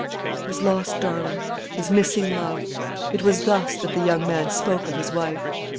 His lost darling; his missing love. It was thus that the young man spoke of his wife.